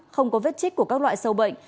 không có vết chích của các loại sâu bệnh